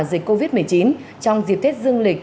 dịch covid một mươi chín trong dịp tết dương lịch